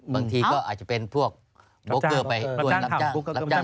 บางทีก็อาจจะเป็นพวกโบรกเกอร์ไปรวมรับจ้าง